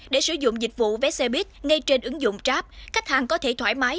để sử dụng dịch vụ vé xe buýt ngay trên ứng dụng grab khách hàng có thể thoải mái